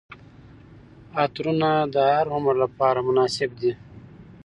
عطرونه د هر عمر لپاره مناسب دي.